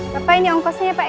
bapak ini ongkosnya pak ya